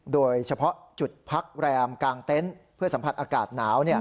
โดยเฉพาะจุดพักแรมกลางเต็นต์เพื่อสัมผัสอากาศหนาว